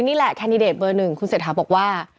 นี่แหละเบอร์หนึ่งคุณเศรษฐาบอกว่า